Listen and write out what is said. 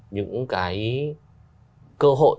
những cái cơ hội